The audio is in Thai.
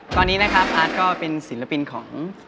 ตอนนี้นะครับอาร์ตก็เป็นศิลปินของ